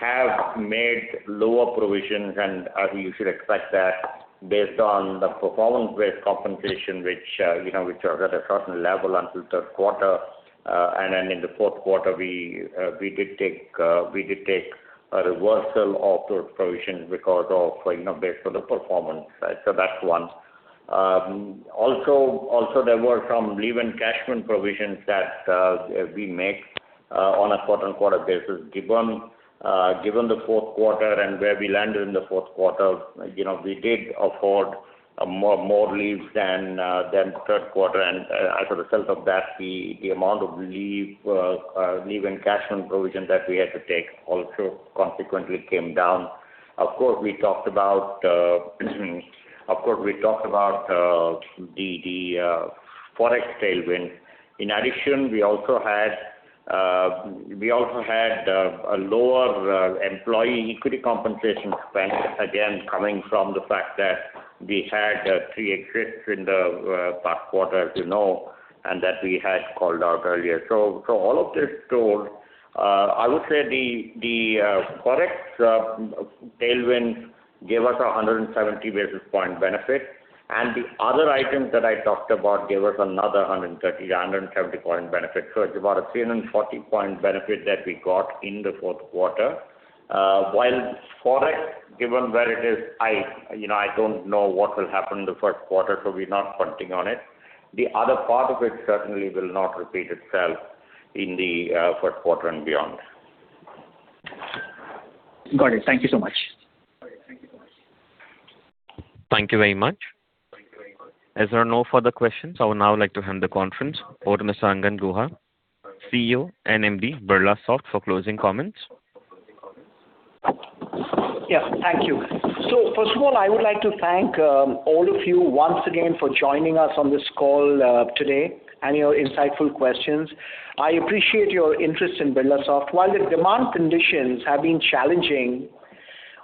have made lower provisions, and you should expect that based on the performance-based compensation which are at a certain level until third quarter. Then in the fourth quarter, we did take a reversal of those provisions because of based on the performance. That's one. Also, there were some leave encashment provision that we make on a quarter-on-quarter basis. Given the fourth quarter and where we landed in the fourth quarter, we did afford more leaves than third quarter. As a result of that, the amount of leave encashment provision that we had to take also consequently came down. Of course, we talked about the Forex tailwind. In addition, we also had a lower employee equity compensation expense, again, coming from the fact that we had three exits in the past quarter to know and that we had called out earlier. All of this told, I would say the Forex tailwind gave us a 170 basis point benefit. The other items that I talked about gave us another 130, a 170 point benefit. It's about a 340 point benefit that we got in the fourth quarter. While Forex, given where it is, I, you know, I don't know what will happen in the first quarter, we're not fronting on it. The other part of it certainly will not repeat itself in the first quarter and beyond. Got it. Thank you so much. Thank you very much. As there are no further questions, I would now like to hand the conference over to Mr. Angan Guha, CEO and MD Birlasoft, for closing comments. Thank you. First of all, I would like to thank all of you once again for joining us on this call today and your insightful questions. I appreciate your interest in Birlasoft. While the demand conditions have been challenging,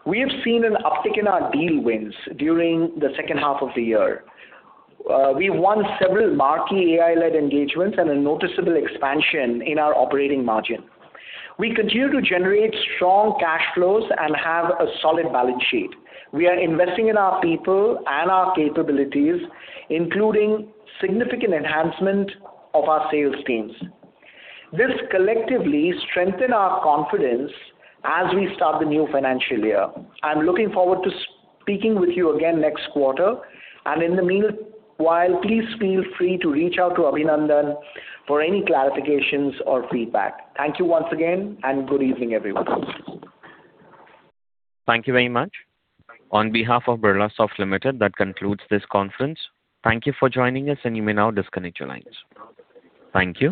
we have seen an uptick in our deal wins during the second half of the year. We won several marquee AI-led engagements and a noticeable expansion in our operating margin. We continue to generate strong cash flows and have a solid balance sheet. We are investing in our people and our capabilities, including significant enhancement of our sales teams. This collectively strengthen our confidence as we start the new financial year. I'm looking forward to speaking with you again next quarter. In the meanwhile, please feel free to reach out to Abhinandan for any clarifications or feedback. Thank you once again, and good evening, everyone. Thank you very much. On behalf of Birlasoft Limited, that concludes this conference. Thank you for joining us, and you may now disconnect your lines. Thank you.